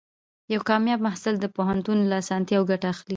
یو کامیاب محصل د پوهنتون له اسانتیاوو ګټه اخلي.